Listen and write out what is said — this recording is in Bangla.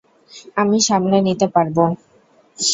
আমি সামলে নিতে পারব।